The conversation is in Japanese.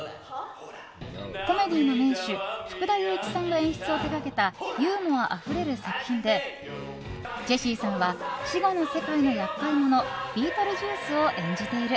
コメディーの名手福田雄一さんが演出を手掛けたユーモアあふれる作品でジェシーさんは死後の世界の厄介者ビートルジュースを演じている。